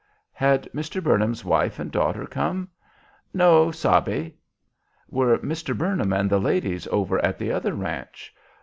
'Had Mr. Burnham's wife and daughter come?' 'No sabe.' 'Were Mr. Burnham and the ladies over at the other ranch?'